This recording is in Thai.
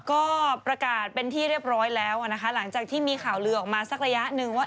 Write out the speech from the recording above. ก็ประกาศเป็นที่เรียบร้อยแล้วนะคะหลังจากที่มีข่าวลือออกมาสักระยะหนึ่งว่า